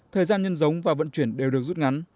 thời gian nhân giống và vận chuyển đều được rút ngắn